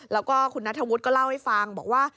แล้วก็คุณนัทธวุฒิก็เล่าให้ฟังบอกว่า